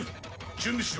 準備しろ。